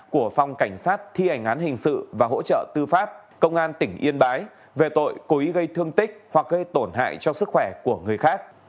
của phòng cảnh sát thi hành án hình sự và hỗ trợ tư pháp công an tỉnh yên bái về tội cố ý gây thương tích hoặc gây tổn hại cho sức khỏe của người khác